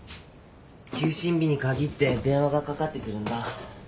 休診日に限って電話がかかってくるんだ。